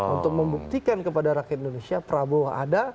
untuk membuktikan kepada rakyat indonesia prabowo ada